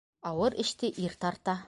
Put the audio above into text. Ауыр эште ир тарта.